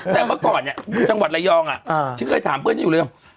แต่เมื่อก่อนเนี้ยขวัญรายยองอ่าฉันเคยถามเพื่อนอยู่เรื่อง